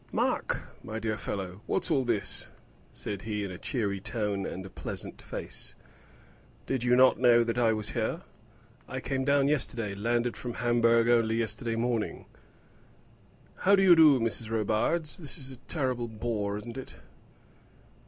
"Mark, my dear fellow, what's all this?" said he, in a cheery tone and with a pleasant face. "Did not you know that I was here? I came down yesterday; landed from Hamburg only yesterday morning. How do you do, Mrs. Robarts? This is a terrible bore, isn't it?"